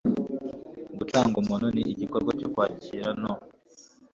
Gutanga umuti ni igikorwa cyo kwakira no